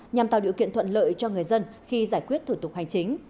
nhằm tạo điều kiện thuận lợi cho người dân khi giải quyết thủ tục hành chính